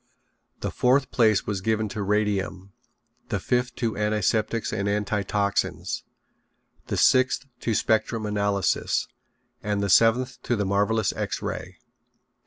The fourth place was given to Radium, the fifth to Antiseptics and Antitoxines, the sixth to Spectrum Analysis, and the seventh to the marvelous X Ray.